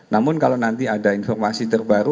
namun kalau nanti ada informasi terbaru